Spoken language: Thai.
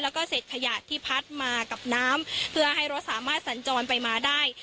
แล้วก็เสร็จขยะที่พัดมากับน้ำเพื่อให้รถสามารถสัญจรไปมาได้